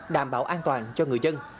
đảm bảo an toàn cho người dân